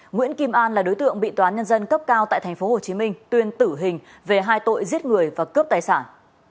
nguyễn kim an là đối tượng bị tòa án nhân dân cấp cao tại tp hcm tuyên tử hình về hai tội giết người và cướp tài sản